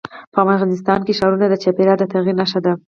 افغانستان کې ښارونه د چاپېریال د تغیر نښه ده.